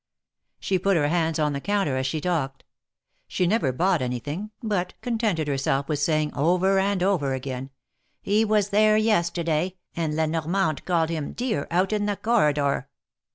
She put her hands on the counter as she talked. She never bought anything, but contented herself with saying, over and over again :" He was there yesterday, and La Norinande called him Mear^ out in the corridor."